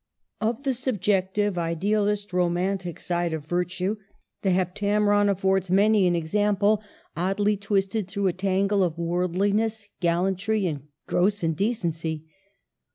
Of the subjective, idealist, romantic side of virtue, the Heptameron " affords many an 2 14 MARGARET OF ANGOUL^ME. example, oddly twisted through a tangle of world liness, gallantry, and gross indecency.